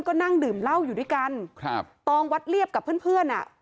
ก็นั่งดื่มเหล้าอยู่ด้วยกันครับตองวัดเรียบกับเพื่อนเพื่อนอ่ะ